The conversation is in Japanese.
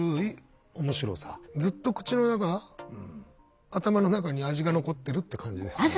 ずっと口の中頭の中に味が残ってるって感じですね。